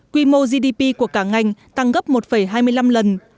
quy mô gdp của cả ngành tăng gấp một hai mươi năm lần